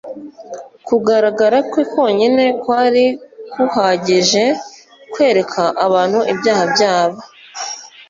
Kugaragara kwe konyine kwari guhagije kwereka abantu ibyaha byabo.